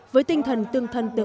với tinh thần tương thân tượng